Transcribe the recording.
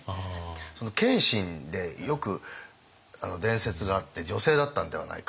その謙信でよく伝説があって女性だったんではないかとか。